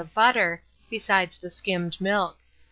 of butter, besides the skimmed milk.